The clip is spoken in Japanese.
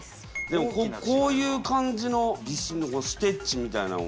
でもこういう感じのステッチみたいなのが。